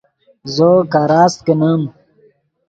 زو کراست کینیم